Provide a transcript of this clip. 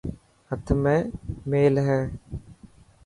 هٿ ۾ ميل هي.